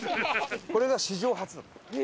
これが史上初だったの！